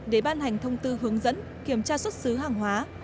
để ban hành thông tư hướng dẫn kiểm tra xuất xứ hàng hóa